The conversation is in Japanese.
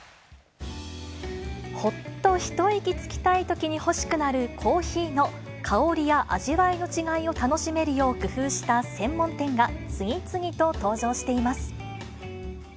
ほっと一息つきたいときに欲しくなるコーヒーの香りや味わいの違いを楽しめるよう工夫した専門店が、次々と登場しています。